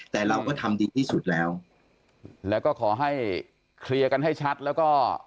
แต่เราก็ทำดีที่สุดแล้วแล้วก็ขอให้เคลียร์กันให้ชัดแล้วก็